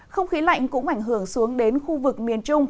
không khí lạnh cũng ảnh hưởng xuống đến khu vực miền trung